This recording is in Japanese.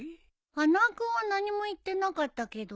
花輪君は何も言ってなかったけど。